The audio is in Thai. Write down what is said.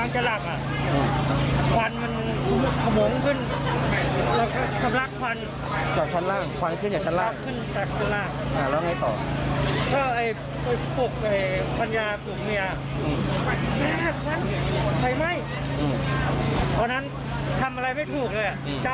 เจ้าทรสักเพื่อนเดียวก็ตอนแรกจะวิ่งลงมาข้างล่างวันมันขมูกมองไม่เห็นแม่ไม่ต้องเอาอะไรขึ้นดาดฟ้าเลยวิ่งขึ้นดาดฟ้า